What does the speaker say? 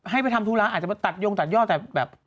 ให้ไปทำธุระอาจจะไปตัดยงตัดยอดแต่แบบ